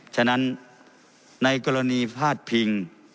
ฉะนั้นในกรณีพาดพิง